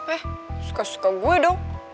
eh suka suka gue dong